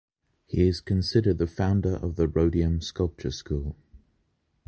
He is considered the founder of the Rhodium Sculpture School.